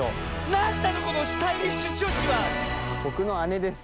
なんなのこのスタイリッシュじょしは⁉ぼくのあねです。